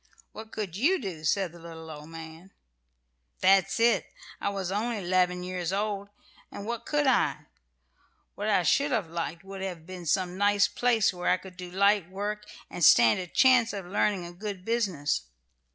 '" "What could you do?" said the little old man. "That's it. I was only 'leven years old, and what could I? What I should have liked would have been some nice place where I could do light work, and stand a chance of learning a good business.